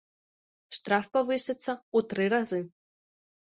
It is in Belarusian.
Штраф павысіцца ў тры разы.